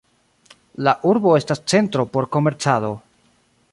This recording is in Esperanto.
La urbo estas centro por komercado.